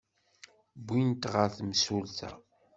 Wwin-t ɣer temsulta.